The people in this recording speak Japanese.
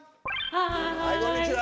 はいこんにちは。